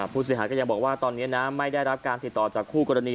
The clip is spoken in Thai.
ผู้เสียหายก็ยังบอกว่าตอนนี้นะไม่ได้รับการติดต่อจากคู่กรณี